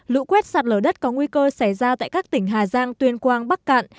lũ quét sạt lở đất có nguy cơ xảy ra tại các tỉnh hà giang tuyên quang bắc cạn